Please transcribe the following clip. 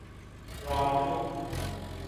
ร้องทุกข์